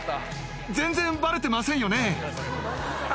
全然ばれてませんよね？